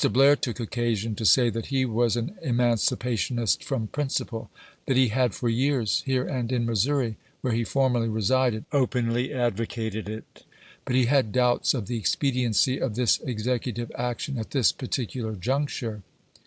Blair took occasion to say that he was an emancipationist from principle; that he had for years, here and in Missouri, where he formerly resided, openly advocated it ; but he had doubts of the expediency of this executive action at this particular juncture.